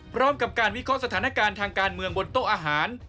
พร้อมกับการวิเคราะห์สถานการณ์ทางการเมืองบนโต๊ะอาหาร